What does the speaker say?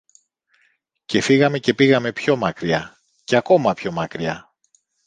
και φύγαμε και πήγαμε πιο μακριά, και ακόμα πιο μακριά